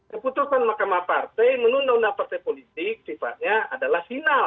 keputusan mahkamah partai menunda undang undang partai politik sifatnya adalah final